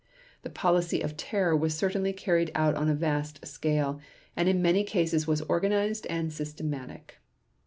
The policy of terror was certainly carried out on a vast scale, and in many cases was organized and systematic.